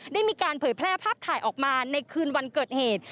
ได้มีการเผยแพร่ภาพถ่ายออกมาในคืนวันเกิดเหตุ